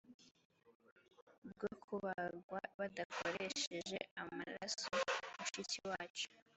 bwo kubagwa hadakoreshejwe amaraso mushiki wacu